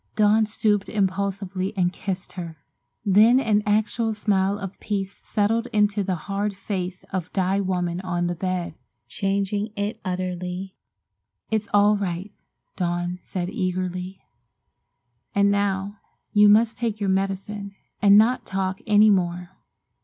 Dawn stooped impulsively and kissed her. Then an actual smile of peace settled into the hard face of die woman on the bed, changing it utterly. "It's all right," said Dawn again eagerly. "And now, you must take your medicine and not talk any more.